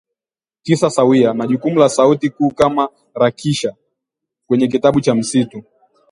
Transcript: tisa sawia na jukumu la sauti kuu kama ‘Raksha’ kwenye Kitabu cha Msitu